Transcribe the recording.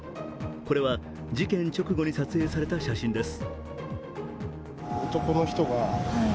これは事件直後に撮影された写真です。